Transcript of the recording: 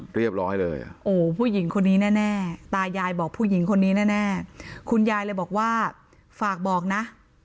เรียบร้อยเลยอ่ะโอ้ผู้หญิงคนนี้แน่ตายายบอกผู้หญิงคนนี้แน่คุณยายเลยบอกว่าฝากบอกนะ